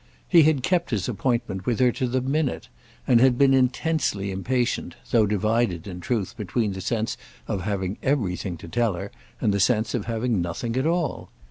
He had kept his appointment with her to the minute and had been intensely impatient, though divided in truth between the sense of having everything to tell her and the sense of having nothing at all.